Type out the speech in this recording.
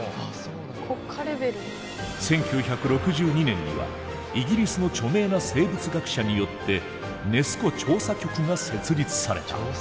１９６２年にはイギリスの著名な生物学者によってネス湖調査局が設立された。